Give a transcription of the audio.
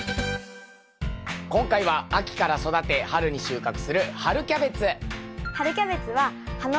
今回は秋から育て春に収穫する春キャベツ。